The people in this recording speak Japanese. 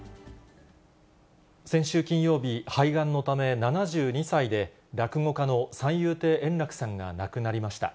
先週金曜日、肺がんのため、７２歳で落語家の三遊亭円楽さんが亡くなりました。